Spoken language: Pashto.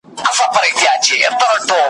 په څپو او په موجونو کي ورکیږي `